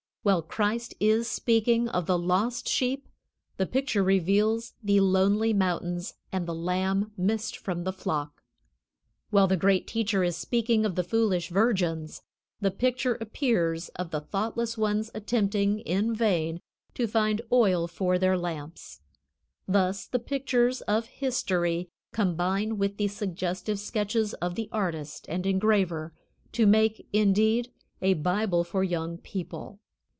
While Christ is speaking of the "lost sheep" the picture reveals the lonely mountains and the lamb missed from the flock. While the great Teacher is speaking of the foolish virgins, the picture appears of the thoughtless ones attempting in vain to find oil for their lamps. Thus the pictures of history combine with the suggestive sketches of the artist and engraver, to make, indeed, a Bible for Young People.